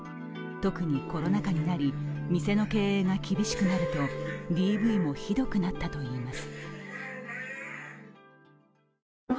特にコロナ禍になり店の経営が厳しくなると、ＤＶもひどくなったといいます。